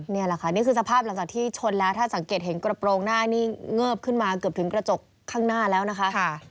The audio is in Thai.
นี่แหละค่ะนี่คือสภาพหลังจากที่ชนแล้วถ้าสังเกตเห็นกระโปรงหน้านี่เงิบขึ้นมาเกือบถึงกระจกข้างหน้าแล้วนะคะ